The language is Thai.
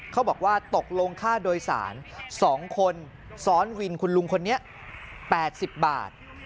เขาบอกว่าตกลงค่าโดยสาร๒คนซ้อนวินคุณลุงคนนี้๘๐บาท